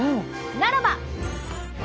ならば！